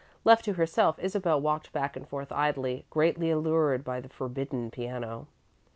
Left to herself, Isabel walked back and forth idly, greatly allured by the forbidden piano.